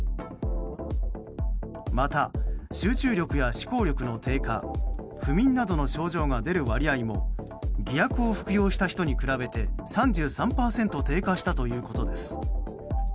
また集中力や思考力の低下不眠などの症状が出る割合も偽薬を服用した人に比べて３３％低下したということです。